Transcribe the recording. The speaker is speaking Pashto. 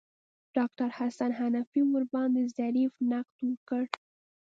ډاکتر حسن حنفي ورباندې ظریف نقد وکړ.